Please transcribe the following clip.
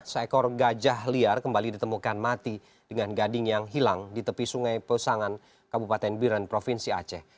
seekor gajah liar kembali ditemukan mati dengan gading yang hilang di tepi sungai pusangan kabupaten biren provinsi aceh